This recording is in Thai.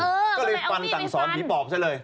เออก็เลยฟันจังสอนผีปอบใช่เลย